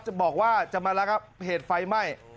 จะบอกว่าจะมาระงับเหตุไฟไหม้